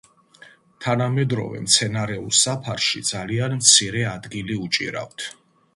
თანამედროვე მცენარეულ საფარში ძალიან მცირე ადგილი უჭირავთ.